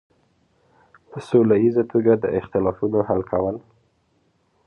په سوله ییزه توګه د اختلافونو حل کول.